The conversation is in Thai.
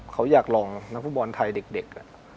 เขาอยากลองนักฟุตบอลไทยเด็ก